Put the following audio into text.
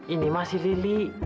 ini mah si lili